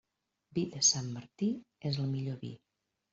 Vi de Sant Martí és el millor vi.